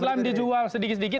islam dijual sedikit sedikit